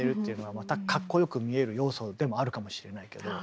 またかっこよく見える要素でもあるかもしれないけど。